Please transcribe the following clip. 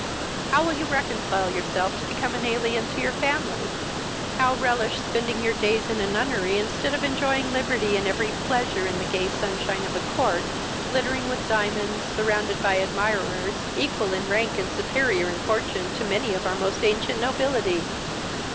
How will you reconcile yourself to become an alien to your family? how relish spending your days in a nunnery, instead of enjoying liberty and every pleasure in the gay sunshine of a court, glittering with diamonds, surrounded by admirers, equal in rank and superior in fortune to many of our most ancient nobility?